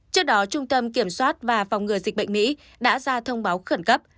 trước đó trung tâm kiểm soát và phòng ngừa dịch bệnh mỹ đã ra thông báo khẩn cấp